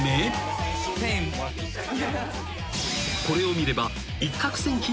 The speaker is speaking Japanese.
［これを見れば］